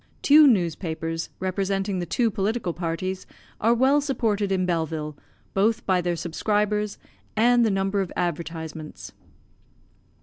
Two newspapers, representing the two political parties, are well supported in Belleville, both by their subscribers, and the number of advertisements.